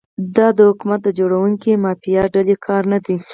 دا د حکومت د جوړونکي مافیایي ډلې کار نه دی.